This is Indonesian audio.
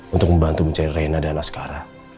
untuk membantu mencari rena dan raskara